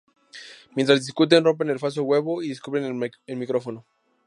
Mientras discuten, rompen el falso huevo, y descubren el micrófono.